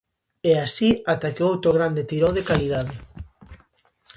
E así ata que outro grande tirou de calidade.